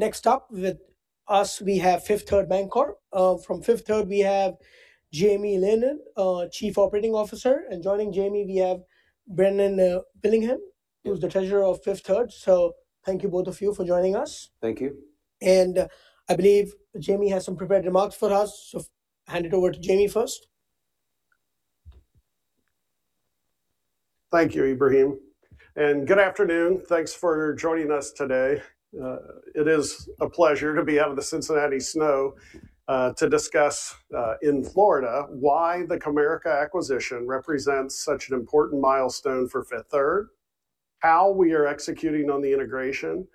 So next up with us we have Fifth Third Bancorp. From Fifth Third we have Jamie Leonard, Chief Operating Officer, and joining Jamie we have Brennen Willingham, who's the Treasurer of Fifth Third, so thank you both of you for joining us. Thank you. I believe Jamie has some prepared remarks for us, so hand it over to Jamie first. Thank you, Ibrahim. And good afternoon, thanks for joining us today. It is a pleasure to be out of the Cincinnati snow, to discuss, in Florida, why the Comerica acquisition represents such an important milestone for Fifth Third, how we are executing on the integration,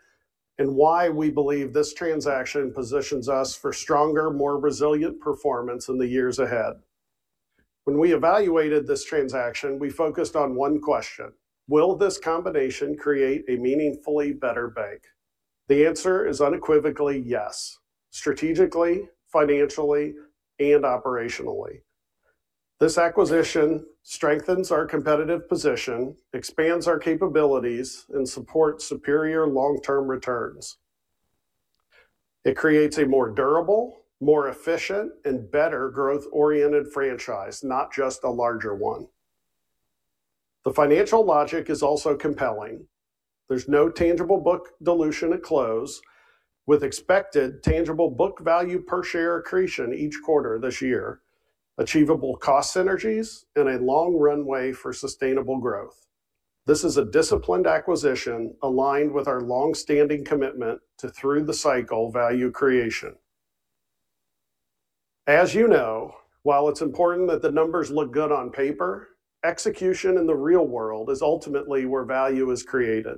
and why we believe this transaction positions us for stronger, more resilient performance in the years ahead. When we evaluated this transaction, we focused on one question: will this combination create a meaningfully better bank? The answer is unequivocally yes, strategically, financially, and operationally. This acquisition strengthens our competitive position, expands our capabilities, and supports superior long-term returns. It creates a more durable, more efficient, and better growth-oriented franchise, not just a larger one. The financial logic is also compelling. There's no tangible book dilution at close, with expected tangible book value per share accretion each quarter this year, achievable cost synergies, and a long runway for sustainable growth. This is a disciplined acquisition aligned with our longstanding commitment to through-the-cycle value creation. As you know, while it's important that the numbers look good on paper, execution in the real world is ultimately where value is created.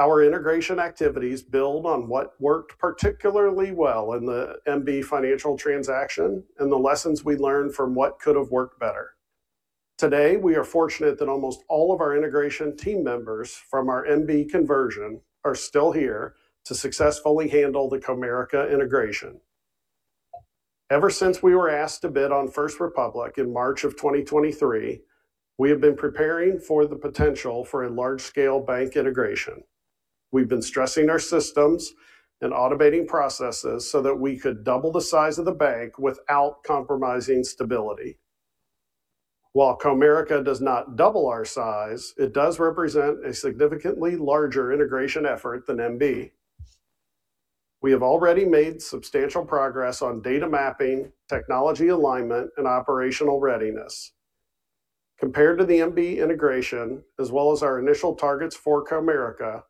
Our integration activities build on what worked particularly well in the MB Financial transaction and the lessons we learned from what could have worked better. Today we are fortunate that almost all of our integration team members from our MB conversion are still here to successfully handle the Comerica integration. Ever since we were asked to bid on First Republic in March of 2023, we have been preparing for the potential for a large-scale bank integration. We've been stressing our systems and automating processes so that we could double the size of the bank without compromising stability. While Comerica does not double our size, it does represent a significantly larger integration effort than MB. We have already made substantial progress on data mapping, technology alignment, and operational readiness. Compared to the MB integration, as well as our initial targets for Comerica,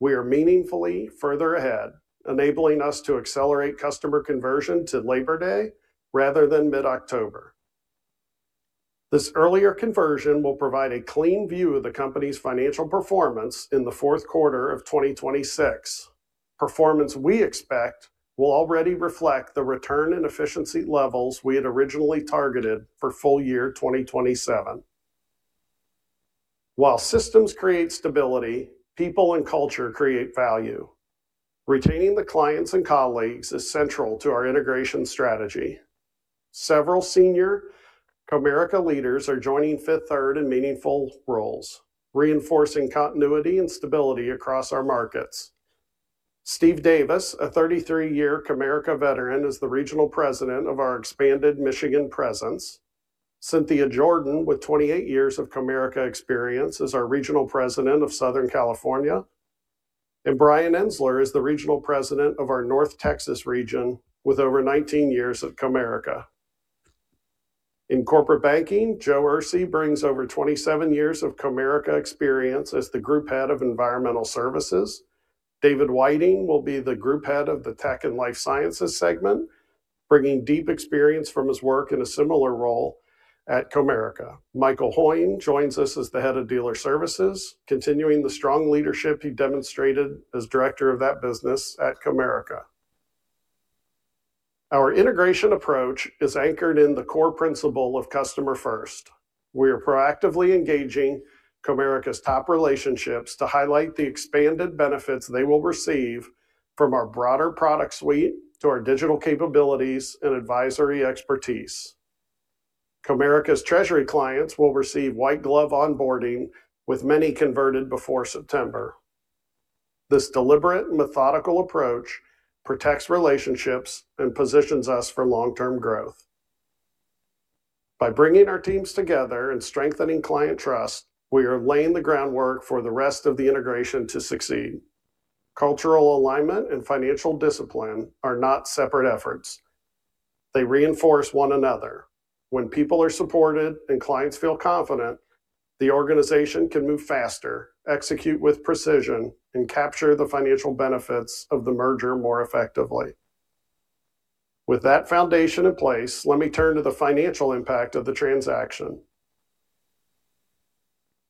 we are meaningfully further ahead, enabling us to accelerate customer conversion to Labor Day rather than mid-October. This earlier conversion will provide a clean view of the company's financial performance in the Q4 of 2026. Performance we expect will already reflect the return and efficiency levels we had originally targeted for full year 2027. While systems create stability, people and culture create value. Retaining the clients and colleagues is central to our integration strategy. Several senior Comerica leaders are joining Fifth Third in meaningful roles, reinforcing continuity and stability across our markets. Steve Davis, a 33-year Comerica veteran, is the regional president of our expanded Michigan presence. Cynthia Jordan, with 28 years of Comerica experience, is our regional president of Southern California. Brian Enzler is the regional president of our North Texas region with over 19 years at Comerica. In corporate banking, Joe Ursuy brings over 27 years of Comerica experience as the Group Head of Environmental Services. David Whiting will be the Group Head of the Tech and Life Sciences segment, bringing deep experience from his work in a similar role at Comerica. Michael Hoin joins us as the Head of Dealer Services, continuing the strong leadership he demonstrated as Director of that business at Comerica. Our integration approach is anchored in the core principle of customer first. We are proactively engaging Comerica's top relationships to highlight the expanded benefits they will receive from our broader product suite to our digital capabilities and advisory expertise. Comerica's Treasury clients will receive white glove onboarding, with many converted before September. This deliberate and methodical approach protects relationships and positions us for long-term growth. By bringing our teams together and strengthening client trust, we are laying the groundwork for the rest of the integration to succeed. Cultural alignment and financial discipline are not separate efforts. They reinforce one another. When people are supported and clients feel confident, the organization can move faster, execute with precision, and capture the financial benefits of the merger more effectively. With that foundation in place, let me turn to the financial impact of the transaction.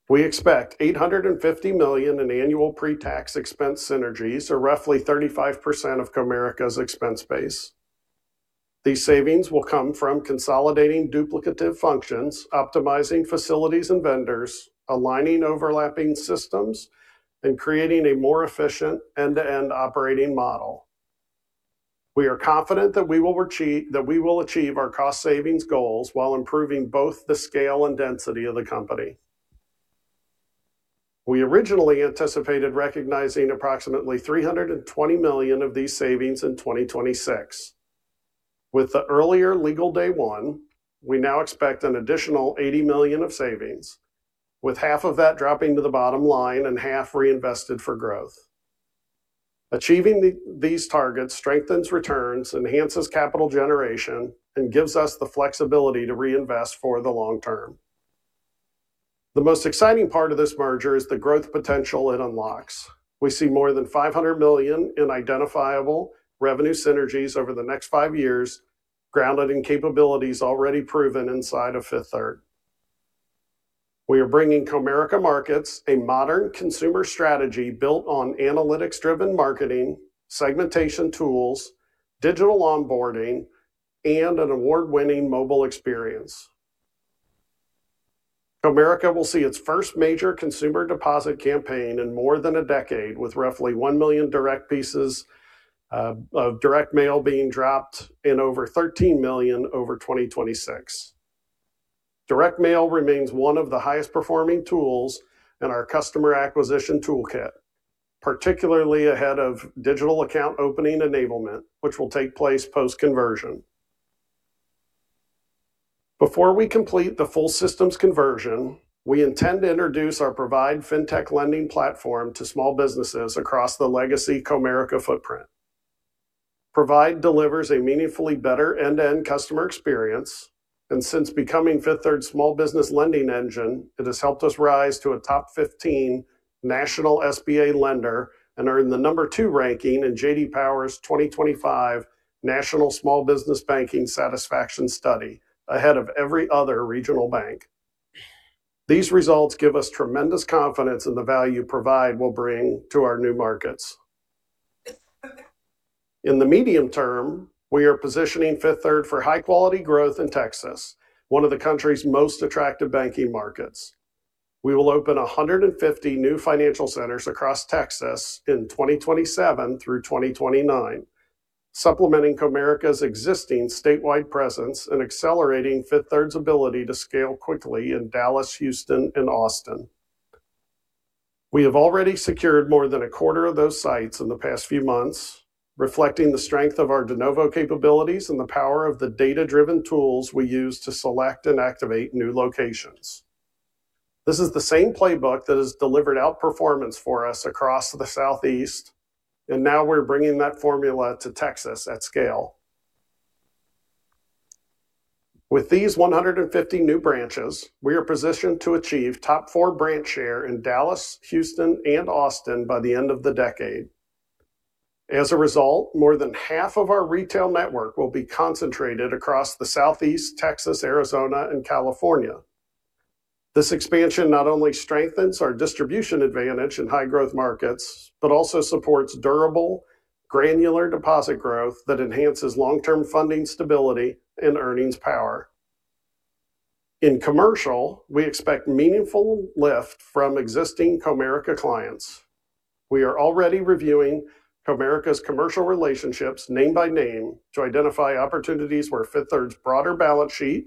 We expect $850 million in annual pre-tax expense synergies are roughly 35% of Comerica's expense base. These savings will come from consolidating duplicative functions, optimizing facilities and vendors, aligning overlapping systems, and creating a more efficient end-to-end operating model. We are confident that we will achieve our cost savings goals while improving both the scale and density of the company. We originally anticipated recognizing approximately $320 million of these savings in 2026. With the earlier legal day one, we now expect an additional $80 million of savings, with half of that dropping to the bottom line and half reinvested for growth. Achieving these targets strengthens returns, enhances capital generation, and gives us the flexibility to reinvest for the long term. The most exciting part of this merger is the growth potential it unlocks. We see more than $500 million in identifiable revenue synergies over the next five years, grounded in capabilities already proven inside of Fifth Third. We are bringing Comerica markets a modern consumer strategy built on analytics-driven marketing, segmentation tools, digital onboarding, and an award-winning mobile experience. Comerica will see its first major consumer deposit campaign in more than a decade, with roughly 1 million direct pieces of direct mail being dropped and over 13 million over 2026. Direct mail remains one of the highest performing tools in our customer acquisition toolkit, particularly ahead of digital account opening enablement, which will take place post-conversion. Before we complete the full systems conversion, we intend to introduce our Provide fintech lending platform to small businesses across the legacy Comerica footprint. Provide delivers a meaningfully better end-to-end customer experience, and since becoming Fifth Third's small business lending engine, it has helped us rise to a top 15 national SBA lender and earn the number two ranking in J.D. Power's 2025 National Small Business Banking Satisfaction Study ahead of every other regional bank. These results give us tremendous confidence in the value Provide will bring to our new markets. In the medium term, we are positioning Fifth Third for high-quality growth in Texas, one of the country's most attractive banking markets. We will open 150 new financial centers across Texas in 2027 through 2029, supplementing Comerica's existing statewide presence and accelerating Fifth Third's ability to scale quickly in Dallas, Houston, and Austin. We have already secured more than a quarter of those sites in the past few months, reflecting the strength of our de novo capabilities and the power of the data-driven tools we use to select and activate new locations. This is the same playbook that has delivered outperformance for us across the Southeast, and now we're bringing that formula to Texas at scale. With these 150 new branches, we are positioned to achieve top four branch share in Dallas, Houston, and Austin by the end of the decade. As a result, more than half of our retail network will be concentrated across the Southeast, Texas, Arizona, and California. This expansion not only strengthens our distribution advantage in high-growth markets but also supports durable, granular deposit growth that enhances long-term funding stability and earnings power. In commercial, we expect meaningful lift from existing Comerica clients. We are already reviewing Comerica's commercial relationships name by name to identify opportunities where Fifth Third's broader balance sheet,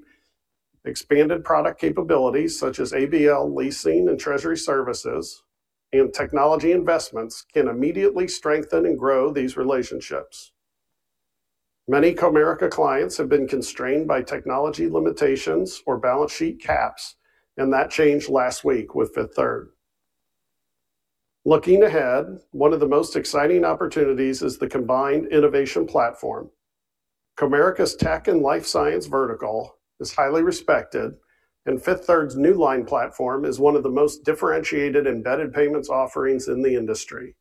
expanded product capabilities such as ABL leasing and Treasury services, and technology investments can immediately strengthen and grow these relationships. Many Comerica clients have been constrained by technology limitations or balance sheet caps, and that changed last week with Fifth Third. Looking ahead, one of the most exciting opportunities is the combined innovation platform. Comerica's Tech and Life Science vertical is highly respected, and Fifth Third's Newline platform is one of the most differentiated embedded payments offerings in the industry.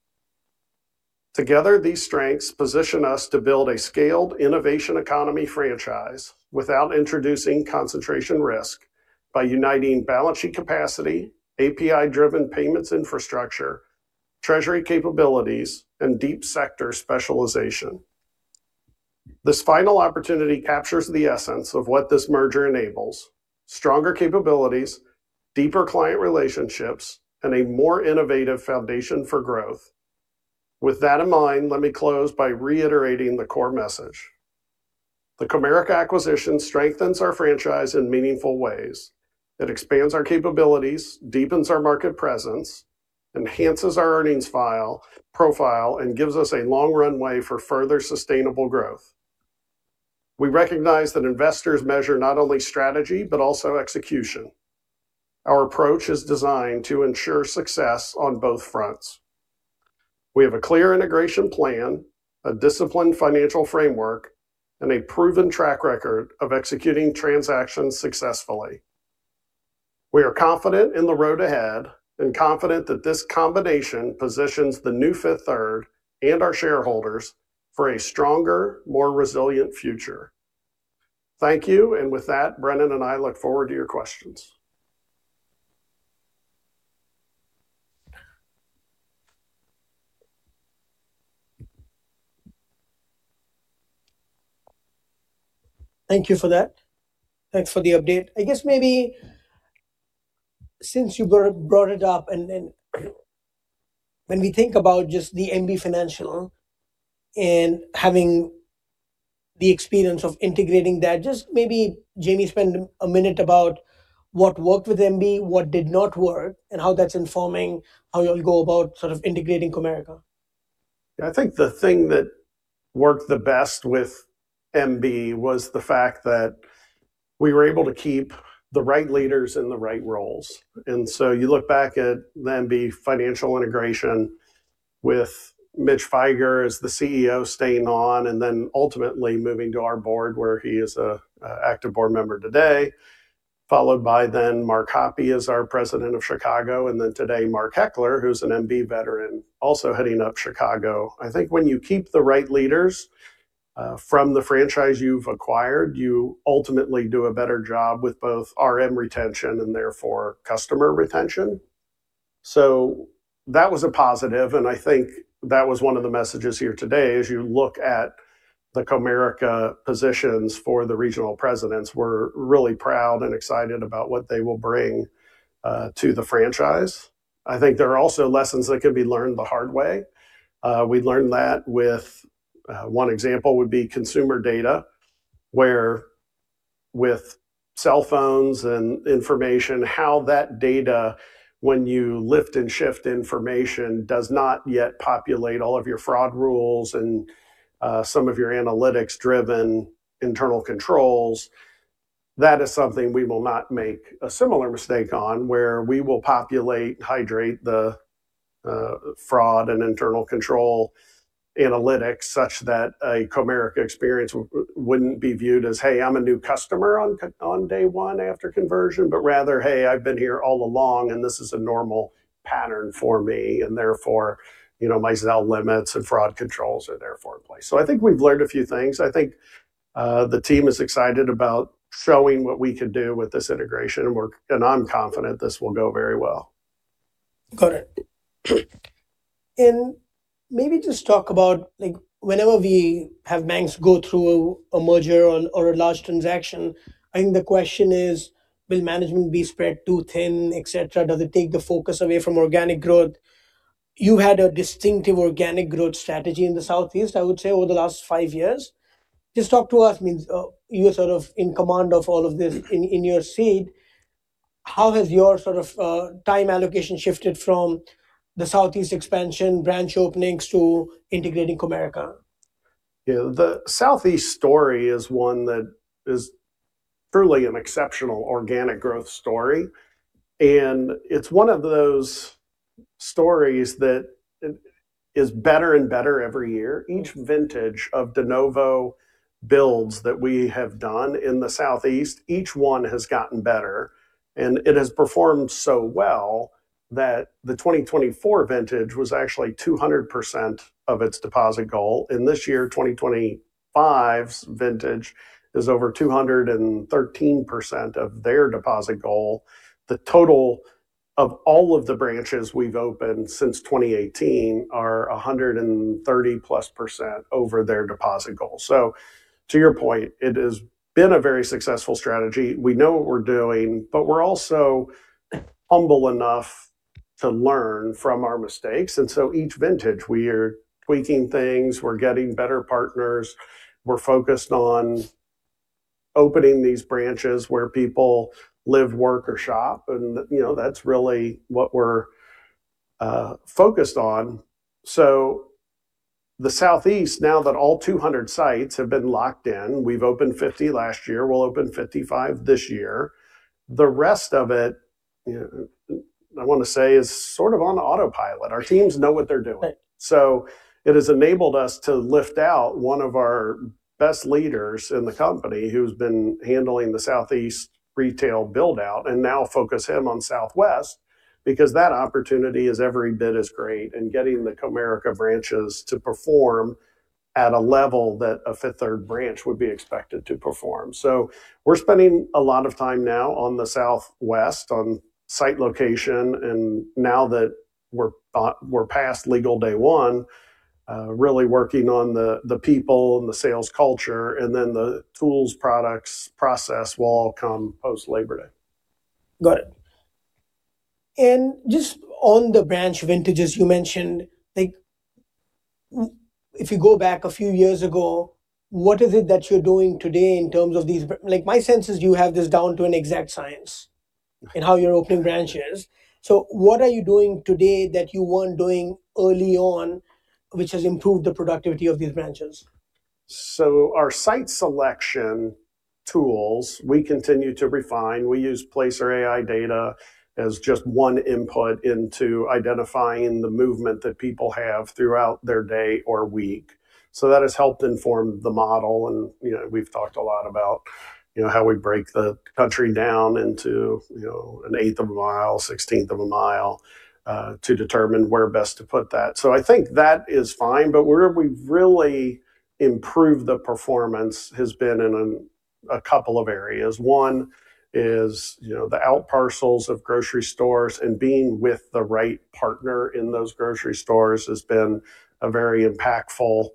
Together, these strengths position us to build a scaled innovation economy franchise without introducing concentration risk by uniting balance sheet capacity, API-driven payments infrastructure, Treasury capabilities, and deep sector specialization. This final opportunity captures the essence of what this merger enables: stronger capabilities, deeper client relationships, and a more innovative foundation for growth. With that in mind, let me close by reiterating the core message. The Comerica acquisition strengthens our franchise in meaningful ways. It expands our capabilities, deepens our market presence, enhances our earnings profile, and gives us a long runway for further sustainable growth. We recognize that investors measure not only strategy but also execution. Our approach is designed to ensure success on both fronts. We have a clear integration plan, a disciplined financial framework, and a proven track record of executing transactions successfully. We are confident in the road ahead and confident that this combination positions the new Fifth Third and our shareholders for a stronger, more resilient future. Thank you, and with that, Brennen and I look forward to your questions. Thank you for that. Thanks for the update. I guess maybe since you brought it up, and then when we think about just the MB Financial and having the experience of integrating that, just maybe Jamie spend a minute about what worked with MB, what did not work, and how that's informing how you'll go about sort of integrating Comerica? Yeah, I think the thing that worked the best with MB was the fact that we were able to keep the right leaders in the right roles. So you look back at the MB Financial integration with Mitch Feiger as the CEO staying on and then ultimately moving to our board where he is an active board member today, followed by then Mark Hoppe as our President of Chicago, and then today Mark Heckler, who's an MB veteran, also heading up Chicago. I think when you keep the right leaders from the franchise you've acquired, you ultimately do a better job with both RM retention and therefore customer retention. So that was a positive, and I think that was one of the messages here today. As you look at the Comerica positions for the regional presidents, we're really proud and excited about what they will bring to the franchise. I think there are also lessons that can be learned the hard way. We learned that with one example would be consumer data, where with cell phones and information, how that data, when you lift and shift information, does not yet populate all of your fraud rules and some of your analytics-driven internal controls. That is something we will not make a similar mistake on, where we will populate, hydrate the fraud and internal control analytics such that a Comerica experience wouldn't be viewed as, "Hey, I'm a new customer on day one after conversion," but rather, "Hey, I've been here all along, and this is a normal pattern for me, and therefore, my Zelle limits and fraud controls are therefore in place." So I think we've learned a few things. I think the team is excited about showing what we can do with this integration, and I'm confident this will go very well. Got it. Maybe just talk about, like, whenever we have banks go through a merger or a large transaction, I think the question is, will management be spread too thin, etc.? Does it take the focus away from organic growth? You had a distinctive organic growth strategy in the Southeast, I would say, over the last five years. Just talk to us. I mean, you're sort of in command of all of this in your seat. How has your sort of time allocation shifted from the Southeast expansion, branch openings to integrating Comerica? Yeah, the Southeast story is one that is truly an exceptional organic growth story, and it's one of those stories that is better and better every year. Each vintage of de novo builds that we have done in the Southeast, each one has gotten better, and it has performed so well that the 2024 vintage was actually 200% of its deposit goal. This year, 2025's vintage is over 213% of their deposit goal. The total of all of the branches we've opened since 2018 are +130% over their deposit goal. To your point, it has been a very successful strategy. We know what we're doing, but we're also humble enough to learn from our mistakes. So each vintage, we are tweaking things. We're getting better partners. We're focused on opening these branches where people live, work, or shop, and, you know, that's really what we're focused on. So the Southeast, now that all 200 sites have been locked in, we've opened 50 last year, we'll open 55 this year. The rest of it, you know, I want to say is sort of on autopilot. Our teams know what they're doing. So it has enabled us to lift out one of our best leaders in the company who's been handling the Southeast retail buildout and now focus him on Southwest because that opportunity is every bit as great and getting the Comerica branches to perform at a level that a Fifth Third branch would be expected to perform. So we're spending a lot of time now on the Southwest, on site location, and now that we're past legal day one, really working on the people and the sales culture, and then the tools, products, process will all come post Labor Day. Got it. And just on the branch vintages you mentioned, like, if you go back a few years ago, what is it that you're doing today in terms of these, like, my sense is you have this down to an exact science in how you're opening branches. So what are you doing today that you weren't doing early on, which has improved the productivity of these branches? So our site selection tools, we continue to refine. We use Placer.ai data as just one input into identifying the movement that people have throughout their day or week. So that has helped inform the model, and, you know, we've talked a lot about, you know, how we break the country down into, you know, an eighth of a mile, sixteenth of a mile, to determine where best to put that. So I think that is fine, but where we've really improved the performance has been in a couple of areas. One is, you know, the out parcels of grocery stores and being with the right partner in those grocery stores has been a very impactful,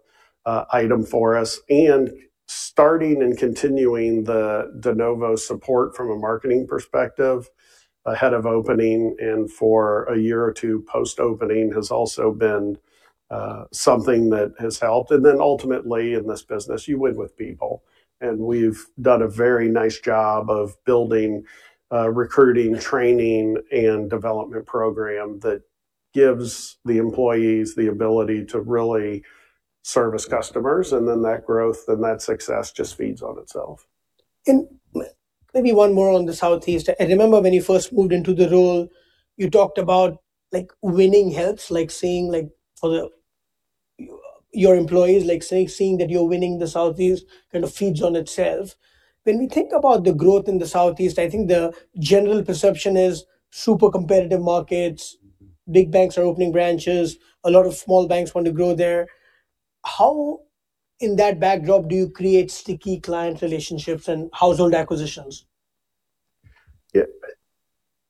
item for us. And starting and continuing the de novo support from a marketing perspective ahead of opening and for a year or two post-opening has also been, something that has helped. And then ultimately in this business, you win with people, and we've done a very nice job of building, recruiting, training, and development program that gives the employees the ability to really service customers. And then that growth and that success just feeds on itself. And maybe one more on the Southeast. I remember when you first moved into the role, you talked about, like, winning helps, like seeing, like, for your employees, like seeing that you're winning the Southeast kind of feeds on itself. When we think about the growth in the Southeast, I think the general perception is super competitive markets. Big banks are opening branches. A lot of small banks want to grow there. How, in that backdrop, do you create sticky client relationships and household acquisitions? Yeah,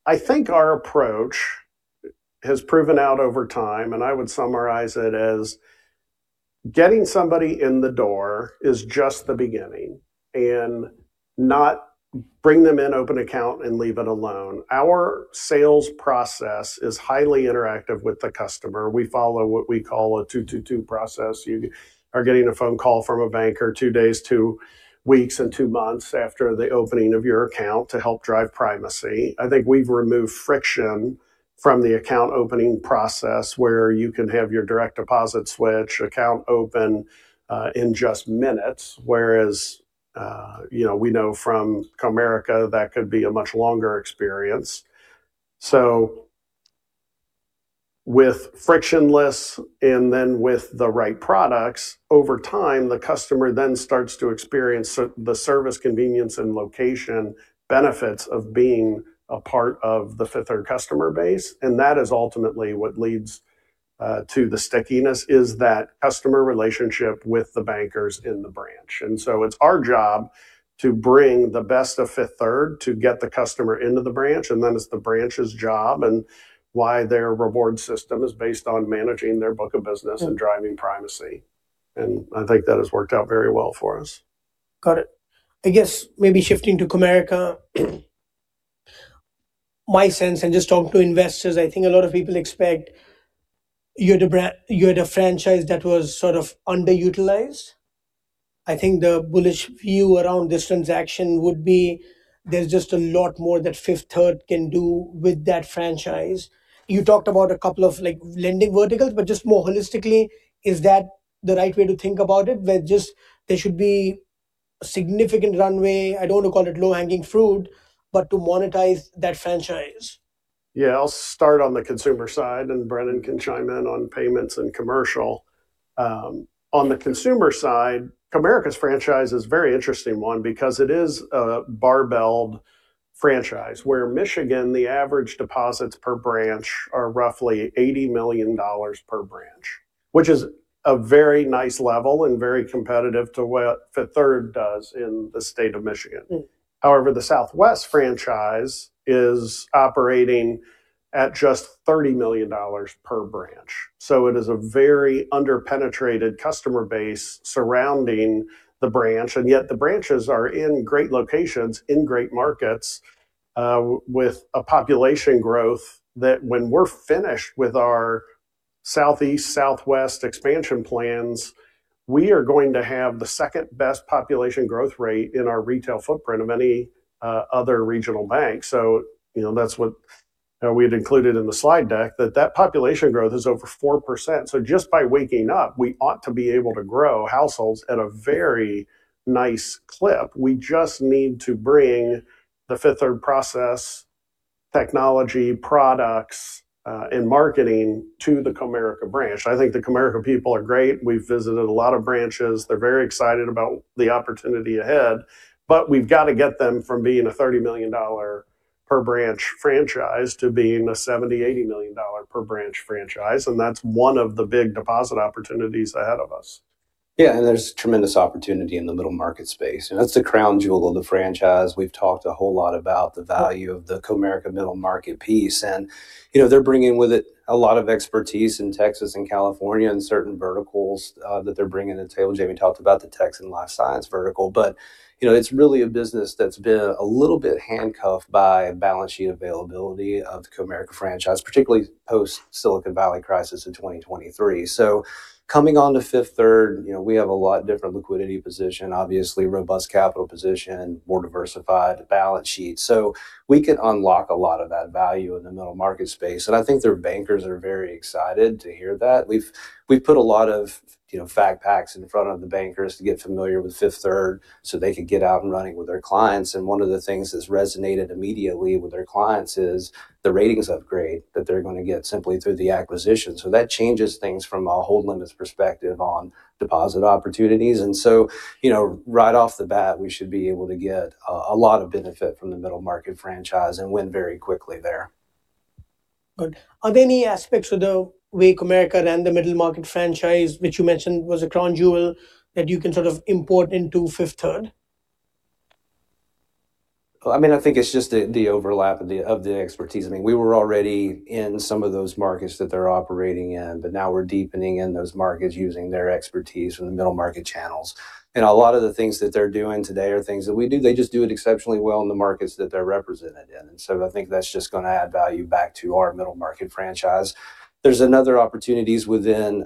I think our approach has proven out over time, and I would summarize it as getting somebody in the door is just the beginning and not bring them in, open account, and leave it alone. Our sales process is highly interactive with the customer. We follow what we call a two-to-two process. You are getting a phone call from a banker two days, two weeks, and two months after the opening of your account to help drive privacy. I think we've removed friction from the account opening process where you can have your direct deposit switch, account open, in just minutes, whereas, you know, we know from Comerica that could be a much longer experience. So with frictionless and then with the right products, over time, the customer then starts to experience the service convenience and location benefits of being a part of the Fifth Third customer base. That is ultimately what leads to the stickiness is that customer relationship with the bankers in the branch. So it's our job to bring the best of Fifth Third to get the customer into the branch, and then it's the branch's job, and why their reward system is based on managing their book of business and driving privacy. I think that has worked out very well for us. Got it. I guess maybe shifting to Comerica, my sense and just talking to investors, I think a lot of people expect you had a franchise that was sort of underutilized. I think the bullish view around this transaction would be there's just a lot more that Fifth Third can do with that franchise. You talked about a couple of, like, lending verticals, but just more holistically, is that the right way to think about it where just there should be a significant runway? I don't want to call it low-hanging fruit, but to monetize that franchise. Yeah, I'll start on the consumer side, and Brennen can chime in on payments and commercial. On the consumer side, Comerica's franchise is a very interesting one because it is a barbelled franchise where Michigan, the average deposits per branch are roughly $80 million per branch, which is a very nice level and very competitive to what Fifth Third does in the state of Michigan. However, the Southwest franchise is operating at just $30 million per branch. So it is a very under-penetrated customer base surrounding the branch, and yet the branches are in great locations, in great markets, with a population growth that when we're finished with our Southeast, Southwest expansion plans, we are going to have the second best population growth rate in our retail footprint of any, other regional bank. So, you know, that's what we had included in the slide deck, that that population growth is over 4%. So just by waking up, we ought to be able to grow households at a very nice clip. We just need to bring the Fifth Third process, technology, products, and marketing to the Comerica branch. I think the Comerica people are great. We've visited a lot of branches. They're very excited about the opportunity ahead, but we've got to get them from being a $30 million per branch franchise to being a $70 million-$80 million per branch franchise. And that's one of the big deposit opportunities ahead of us. Yeah, and there's tremendous opportunity in the middle market space, and that's the crown jewel of the franchise. We've talked a whole lot about the value of the Comerica middle market piece, and, you know, they're bringing with it a lot of expertise in Texas and California and certain verticals, that they're bringing to the table. Jamie talked about the tech and life sciences vertical, but, you know, it's really a business that's been a little bit handcuffed by balance sheet availability of the Comerica franchise, particularly post-Silicon Valley crisis in 2023. So coming on to Fifth Third, you know, we have a lot different liquidity position, obviously robust capital position, more diversified balance sheet. So we could unlock a lot of that value in the middle market space, and I think their bankers are very excited to hear that. We've put a lot of, you know, fact packs in front of the bankers to get familiar with Fifth Third so they could get out and running with their clients. One of the things that's resonated immediately with their clients is the ratings upgrade that they're going to get simply through the acquisition. That changes things from a hold limits perspective on deposit opportunities. You know, right off the bat, we should be able to get a lot of benefit from the middle market franchise and win very quickly there. Good. Are there any aspects of the way Comerica ran the middle market franchise, which you mentioned was a crown jewel, that you can sort of import into Fifth Third? I mean, I think it's just the overlap of the expertise. I mean, we were already in some of those markets that they're operating in, but now we're deepening in those markets using their expertise from the middle market channels. And a lot of the things that they're doing today are things that we do. They just do it exceptionally well in the markets that they're represented in. And so I think that's just going to add value back to our middle market franchise. There's another opportunities within,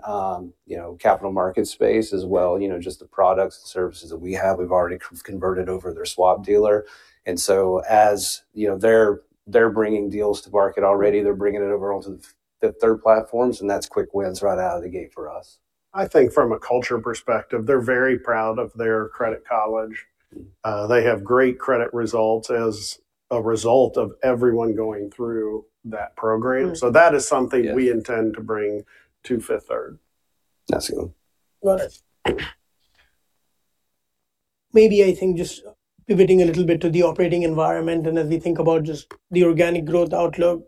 you know, capital market space as well, you know, just the products and services that we have. We've already converted over their swap dealer. And so as, you know, they're bringing deals to market already, they're bringing it over onto the Fifth Third platforms, and that's quick wins right out of the gate for us. I think from a culture perspective, they're very proud of their Credit College. They have great credit results as a result of everyone going through that program. So that is something we intend to bring to Fifth Third. That's good. Got it. Maybe I think just pivoting a little bit to the operating environment and as we think about just the organic growth outlook.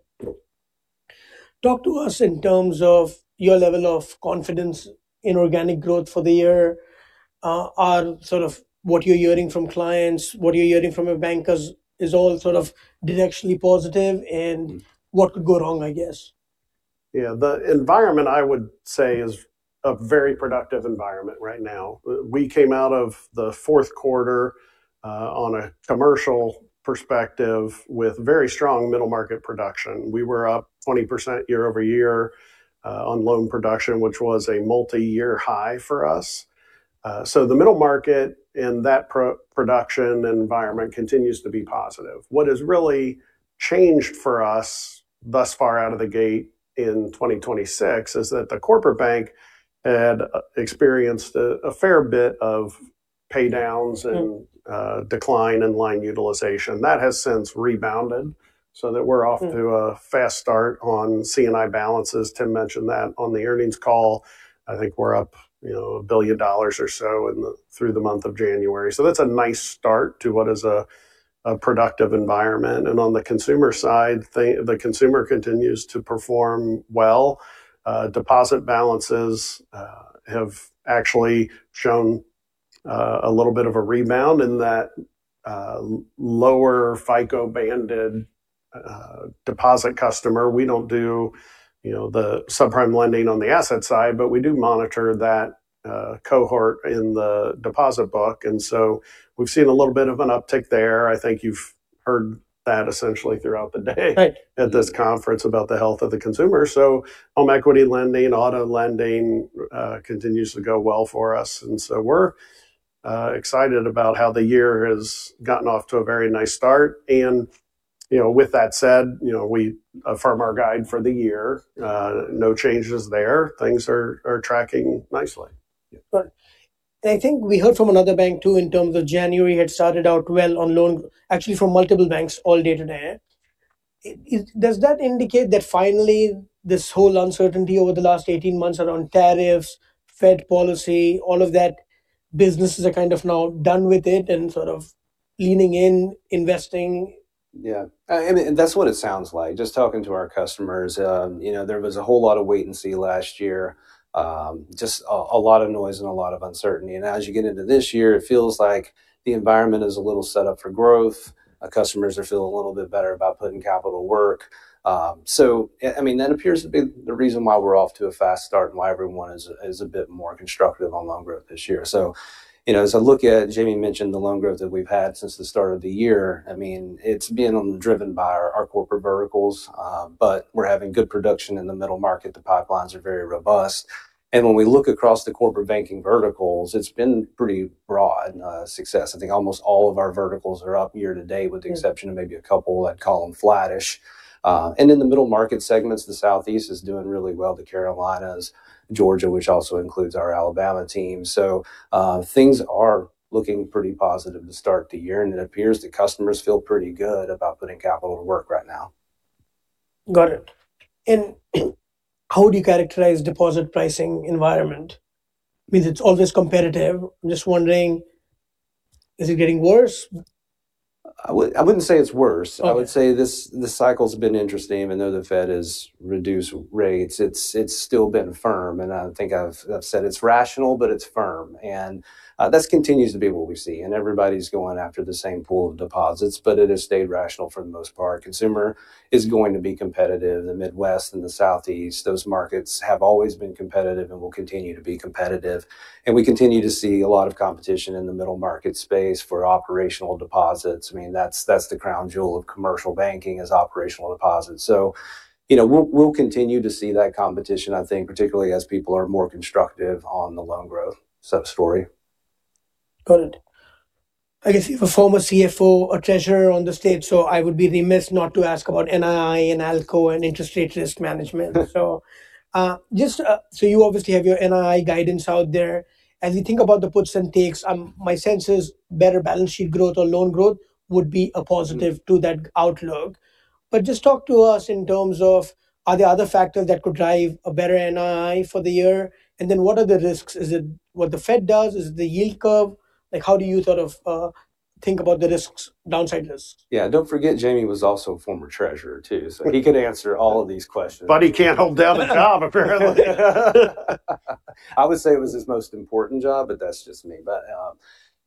Talk to us in terms of your level of confidence in organic growth for the year. Are sort of what you're hearing from clients, what you're hearing from your bankers is all sort of directionally positive, and what could go wrong, I guess? Yeah, the environment I would say is a very productive environment right now. We came out of the fourth quarter on a commercial perspective with very strong middle market production. We were up 20% year-over-year on loan production, which was a multi-year high for us. So the middle market and that production environment continues to be positive. What has really changed for us thus far out of the gate in 2026 is that the corporate bank had experienced a fair bit of paydowns and decline in line utilization. That has since rebounded so that we're off to a fast start on C&I balances. Tim mentioned that on the earnings call. I think we're up, you know, $1 billion or so through the month of January. So that's a nice start to what is a productive environment. And on the consumer side, the consumer continues to perform well. Deposit balances have actually shown a little bit of a rebound in that lower FICO banded deposit customer. We don't do, you know, the subprime lending on the asset side, but we do monitor that cohort in the deposit book. And so we've seen a little bit of an uptick there. I think you've heard that essentially throughout the day at this conference about the health of the consumer. So home equity lending, auto lending continues to go well for us. And so we're excited about how the year has gotten off to a very nice start. And, you know, with that said, you know, we affirm our guide for the year. No changes there. Things are tracking nicely. Good. I think we heard from another bank too in terms of January had started out well on loan, actually from multiple banks all day today. Does that indicate that finally this whole uncertainty over the last 18 months around tariffs, Fed policy, all of that, businesses are kind of now done with it and sort of leaning in, investing? Yeah, I mean, that's what it sounds like. Just talking to our customers, you know, there was a whole lot of wait and see last year, just a lot of noise and a lot of uncertainty. As you get into this year, it feels like the environment is a little set up for growth. Customers are feeling a little bit better about putting capital to work. I mean, that appears to be the reason why we're off to a fast start and why everyone is a bit more constructive on loan growth this year. You know, as I look at, Jamie mentioned the loan growth that we've had since the start of the year. I mean, it's being driven by our corporate verticals, but we're having good production in the middle market. The pipelines are very robust. When we look across the corporate banking verticals, it's been pretty broad success. I think almost all of our verticals are up year to date with the exception of maybe a couple that call them flattish. In the middle market segments, the Southeast is doing really well. The Carolinas, Georgia, which also includes our Alabama team. Things are looking pretty positive to start the year, and it appears that customers feel pretty good about putting capital to work right now. Got it. How would you characterize the deposit pricing environment? I mean, it's always competitive. I'm just wondering, is it getting worse? I wouldn't say it's worse. I would say this cycle has been interesting. Even though the Fed has reduced rates, it's still been firm. I think I've said it's rational, but it's firm. That continues to be what we see. Everybody's going after the same pool of deposits, but it has stayed rational for the most part. Consumer is going to be competitive. The Midwest and the Southeast, those markets have always been competitive and will continue to be competitive. We continue to see a lot of competition in the middle market space for operational deposits. I mean, that's the crown jewel of commercial banking is operational deposits. You know, we'll continue to see that competition, I think, particularly as people are more constructive on the loan growth sort of story. Got it. I guess you're a former CFO, a treasurer on the stage, so I would be remiss not to ask about NII and ALCO and interest rate risk management. So just, so you obviously have your NII guidance out there. As we think about the puts and takes, my sense is better balance sheet growth or loan growth would be a positive to that outlook. But just talk to us in terms of are there other factors that could drive a better NII for the year? And then what are the risks? Is it what the Fed does? Is it the yield curve? Like how do you sort of think about the risks, downside risks? Yeah, don't forget Jamie was also a former treasurer too. So he could answer all of these questions. But he can't hold down the job apparently. I would say it was his most important job, but that's just me. But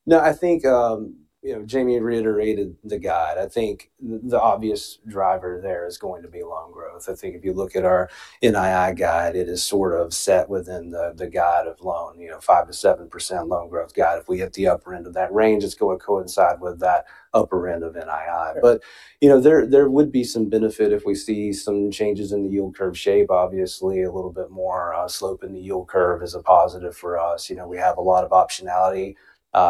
no, I think, you know, Jamie reiterated the guide. I think the obvious driver there is going to be loan growth. I think if you look at our NII guide, it is sort of set within the guide of loan, you know, 5%-7% loan growth guide. If we hit the upper end of that range, it's going to coincide with that upper end of NII. But, you know, there would be some benefit if we see some changes in the yield curve shape, obviously a little bit more slope in the yield curve is a positive for us. You know, we have a lot of optionality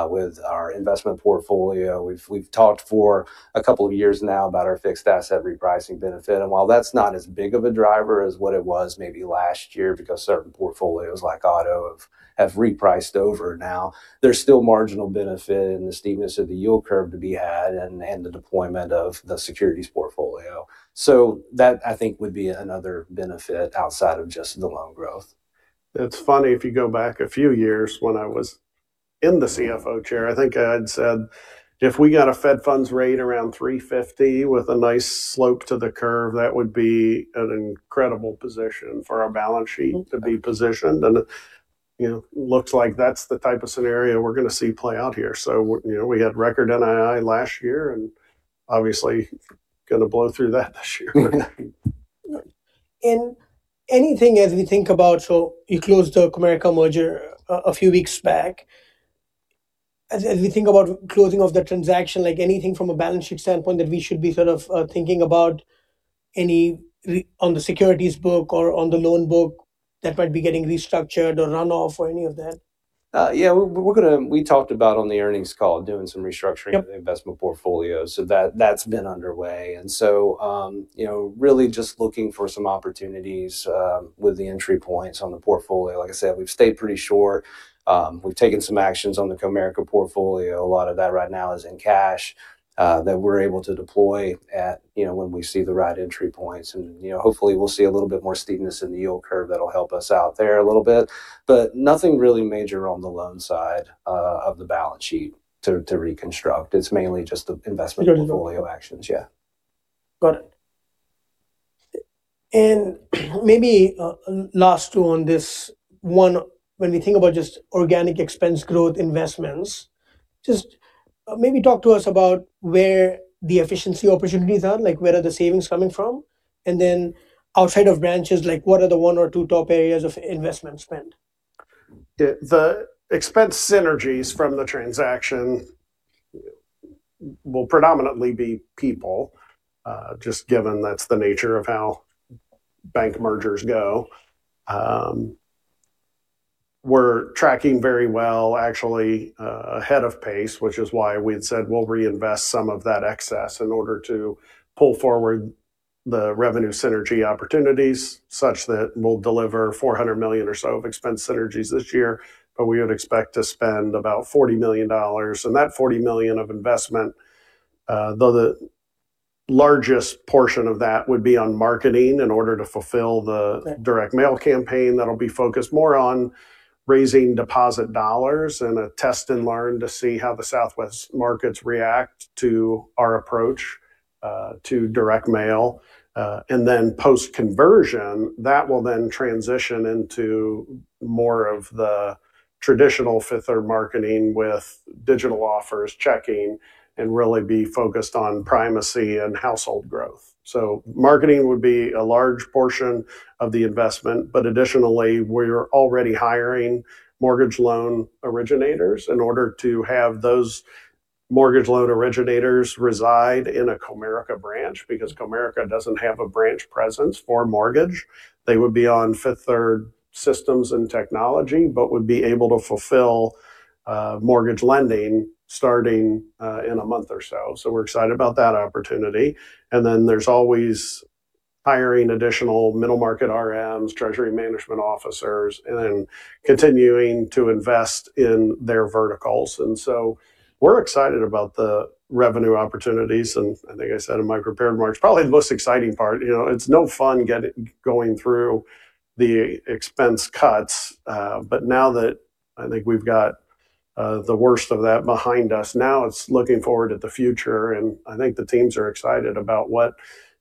with our investment portfolio. We've talked for a couple of years now about our fixed asset repricing benefit. While that's not as big of a driver as what it was maybe last year because certain portfolios like auto have repriced over now, there's still marginal benefit in the steepness of the yield curve to be had and the deployment of the securities portfolio. So that I think would be another benefit outside of just the loan growth. It's funny, if you go back a few years when I was in the CFO chair, I think I'd said if we got a Fed funds rate around 350 with a nice slope to the curve, that would be an incredible position for our balance sheet to be positioned. And, you know, looks like that's the type of scenario we're going to see play out here. So, you know, we had record NII last year and obviously going to blow through that this year. Anything as we think about, so you closed the Comerica merger a few weeks back. As we think about closing of the transaction, like anything from a balance sheet standpoint that we should be sort of thinking about any on the securities book or on the loan book that might be getting restructured or runoff or any of that? Yeah, we're going to. We talked about on the earnings call doing some restructuring of the investment portfolio. So that's been underway. And so, you know, really just looking for some opportunities with the entry points on the portfolio. Like I said, we've stayed pretty short. We've taken some actions on the Comerica portfolio. A lot of that right now is in cash that we're able to deploy at, you know, when we see the right entry points. And, you know, hopefully we'll see a little bit more steepness in the yield curve that'll help us out there a little bit. But nothing really major on the loan side of the balance sheet to reconstruct. It's mainly just the investment portfolio actions. Yeah. Got it. Maybe last two on this one, when we think about just organic expense growth investments, just maybe talk to us about where the efficiency opportunities are, like where are the savings coming from? Then outside of branches, like what are the one or two top areas of investment spend? The expense synergies from the transaction will predominantly be people, just given that's the nature of how bank mergers go. We're tracking very well actually ahead of pace, which is why we'd said we'll reinvest some of that excess in order to pull forward the revenue synergy opportunities such that we'll deliver $400 million or so of expense synergies this year. But we would expect to spend about $40 million. And that $40 million of investment, though the largest portion of that would be on marketing in order to fulfill the direct mail campaign that'll be focused more on raising deposit dollars and a test and learn to see how the Southwest markets react to our approach to direct mail. And then post-conversion, that will then transition into more of the traditional Fifth Third marketing with digital offers, checking, and really be focused on primacy and household growth. So marketing would be a large portion of the investment. But additionally, we're already hiring mortgage loan originators in order to have those mortgage loan originators reside in a Comerica branch because Comerica doesn't have a branch presence for mortgage. They would be on Fifth Third systems and technology, but would be able to fulfill mortgage lending starting in a month or so. So we're excited about that opportunity. And then there's always hiring additional middle market RMs, treasury management officers, and then continuing to invest in their verticals. And so we're excited about the revenue opportunities. And I think I said in my prepared remarks, probably the most exciting part, you know, it's no fun going through the expense cuts. But now that I think we've got the worst of that behind us, now it's looking forward at the future. I think the teams are excited about what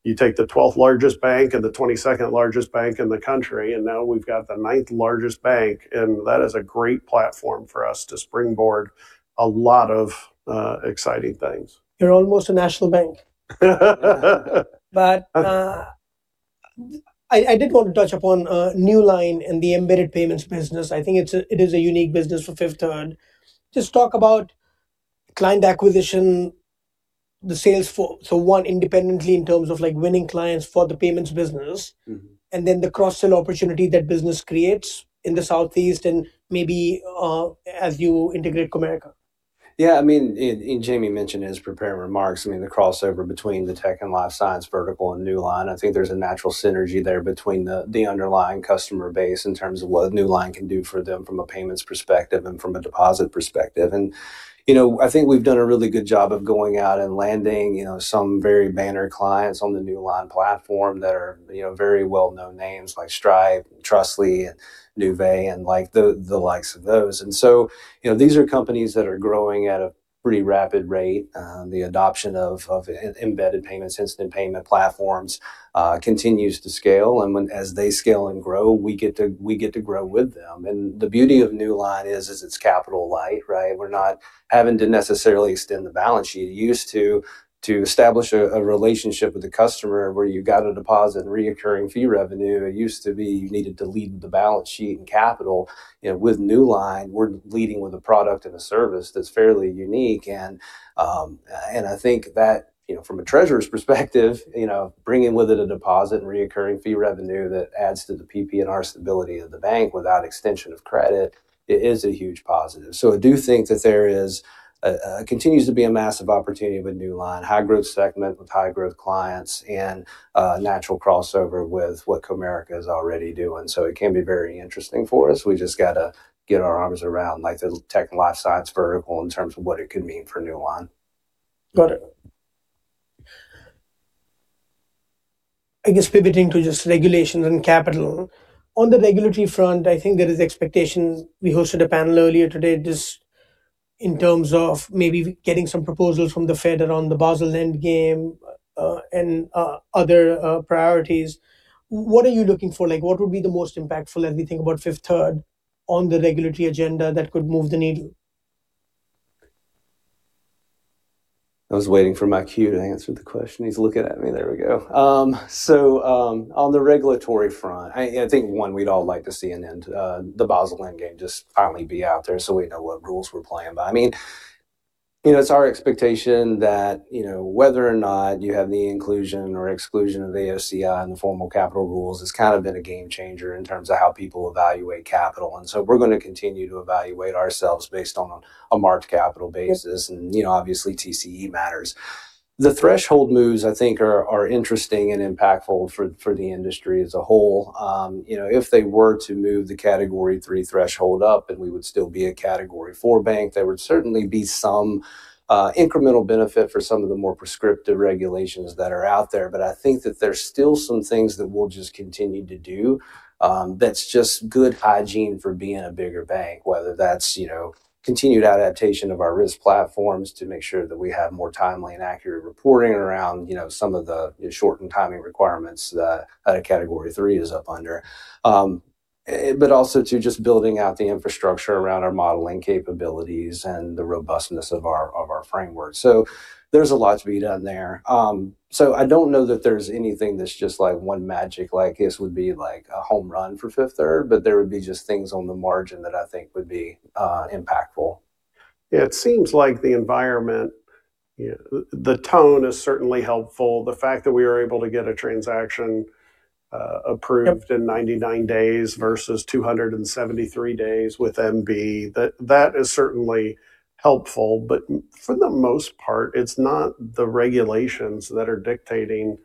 you take the 12th largest bank and the 22nd largest bank in the country. Now we've got the ninth largest bank. That is a great platform for us to springboard a lot of exciting things. You're almost a national bank. But I did want to touch upon Newline in the embedded payments business. I think it is a unique business for Fifth Third. Just talk about client acquisition, the sales, so one independently in terms of like winning clients for the payments business and then the cross-sell opportunity that business creates in the Southeast and maybe as you integrate Comerica. Yeah, I mean, as Jamie mentioned in his prepared remarks, I mean, the crossover between the tech and life sciences vertical and Newline. I think there's a natural synergy there between the underlying customer base in terms of what Newline can do for them from a payments perspective and from a deposit perspective. And, you know, I think we've done a really good job of going out and landing, you know, some very banner clients on the Newline platform that are, you know, very well-known names like Stripe, Trustly, and Nuvei and like the likes of those. And so, you know, these are companies that are growing at a pretty rapid rate. The adoption of embedded payments, instant payment platforms continues to scale. And as they scale and grow, we get to grow with them. And the beauty of Newline is it's capital light, right? We're not having to necessarily extend the balance sheet. It used to establish a relationship with the customer where you got a deposit and recurring fee revenue. It used to be you needed to lead with the balance sheet and capital. You know, with Newline, we're leading with a product and a service that's fairly unique. And I think that, you know, from a treasurer's perspective, you know, bringing with it a deposit and recurring fee revenue that adds to the P&L and our stability of the bank without extension of credit, it is a huge positive. So I do think that there is, continues to be a massive opportunity with Newline, high growth segment with high growth clients and natural crossover with what Comerica is already doing. So it can be very interesting for us. We just got to get our arms around like the tech and life science vertical in terms of what it could mean for Newline. Got it. I guess pivoting to just regulations and capital. On the regulatory front, I think there is expectations. We hosted a panel earlier today just in terms of maybe getting some proposals from the Fed around the Basel Endgame and other priorities. What are you looking for? Like what would be the most impactful as we think about Fifth Third on the regulatory agenda that could move the needle? I was waiting for my cue to answer the question. He's looking at me. There we go. So on the regulatory front, I think one we'd all like to see an end to the Basel Endgame just finally be out there so we know what rules we're playing by. It's our expectation that, you know, whether or not you have the inclusion or exclusion of the AOCI in the formal capital rules has kind of been a game changer in terms of how people evaluate capital. And so we're going to continue to evaluate ourselves based on a marked capital basis. And, you know, obviously TCE matters. The threshold moves, I think, are interesting and impactful for the industry as a whole. You know, if they were to move the Category 3 threshold up and we would still be a Category 4 bank, there would certainly be some incremental benefit for some of the more prescriptive regulations that are out there. But I think that there's still some things that we'll just continue to do. That's just good hygiene for being a bigger bank, whether that's, you know, continued adaptation of our risk platforms to make sure that we have more timely and accurate reporting around, you know, some of the shortened timing requirements that a Category 3 is up under. But also to just building out the infrastructure around our modeling capabilities and the robustness of our framework. So there's a lot to be done there. I don't know that there's anything that's just like one magic, like this would be like a home run for Fifth Third, but there would be just things on the margin that I think would be impactful. Yeah, it seems like the environment, you know, the tone is certainly helpful. The fact that we were able to get a transaction approved in 99 days versus 273 days with MB, that is certainly helpful. But for the most part, it's not the regulations that are dictating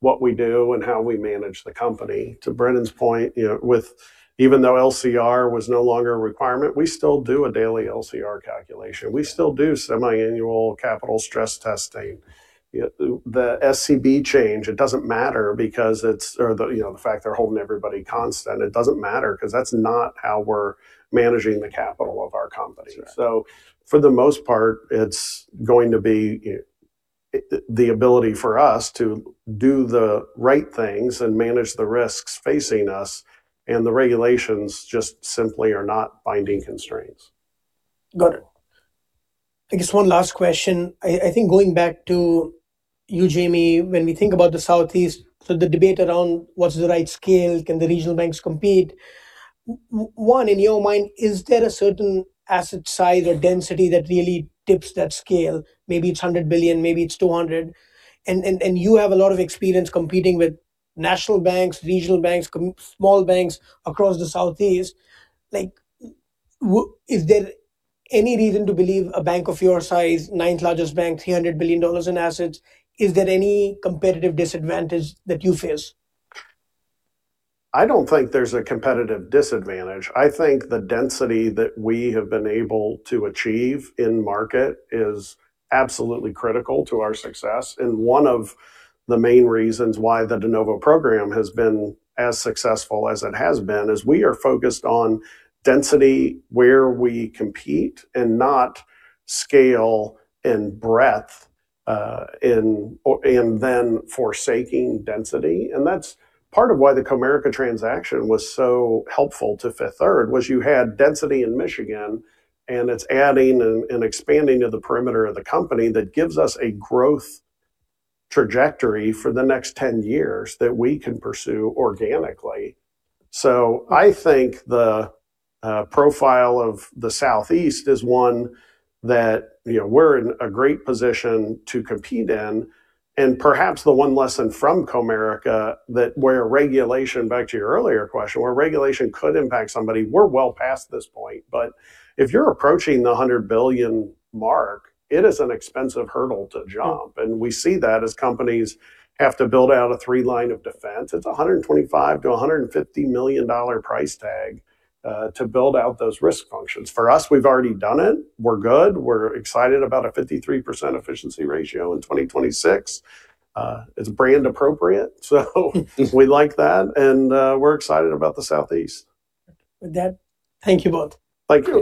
what we do and how we manage the company. To Brennen's point, you know, with even though LCR was no longer a requirement, we still do a daily LCR calculation. We still do semi-annual capital stress testing. The SCB change, it doesn't matter because it's, you know, the fact they're holding everybody constant. It doesn't matter because that's not how we're managing the capital of our company. So for the most part, it's going to be the ability for us to do the right things and manage the risks facing us. And the regulations just simply are not binding constraints. Got it. I guess one last question. I think going back to you, Jamie, when we think about the Southeast, so the debate around what's the right scale, can the regional banks compete? One, in your mind, is there a certain asset size or density that really tips that scale? Maybe it's $100 billion, maybe it's $200 billion. And you have a lot of experience competing with national banks, regional banks, small banks across the Southeast. Like is there any reason to believe a bank of your size, ninth largest bank, $300 billion in assets? Is there any competitive disadvantage that you face? I don't think there's a competitive disadvantage. I think the density that we have been able to achieve in market is absolutely critical to our success. One of the main reasons why the de novo program has been as successful as it has been is we are focused on density where we compete and not scale and breadth in and then forsaking density. That's part of why the Comerica transaction was so helpful to Fifth Third was you had density in Michigan and it's adding and expanding to the perimeter of the company that gives us a growth trajectory for the next 10 years that we can pursue organically. I think the profile of the Southeast is one that, you know, we're in a great position to compete in. Perhaps the one lesson from Comerica that where regulation, back to your earlier question, where regulation could impact somebody, we're well past this point. But if you're approaching the $100 billion mark, it is an expensive hurdle to jump. We see that as companies have to build out a three lines of defense. It's $125 million-$150 million price tag to build out those risk functions. For us, we've already done it. We're good. We're excited about a 53% efficiency ratio in 2026. It's brand appropriate. So we like that. We're excited about the Southeast. Thank you both. Thank you.